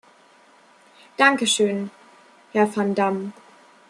Danke schön, Herr van Dam.